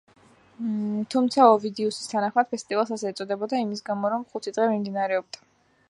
თუმცა ოვიდიუსის თანახმად ფესტივალს ასე ეწოდებოდა იმის გამო, რომ ხუთი დღე მიმდინარეობდა.